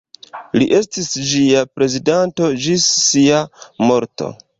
Li estis ĝia prezidanto ĝis sia morto.